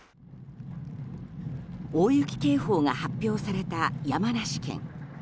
大雪警報が発表された山梨県。